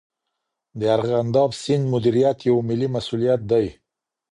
د ارغنداب سیند مدیریت یو ملي مسئولیت دی.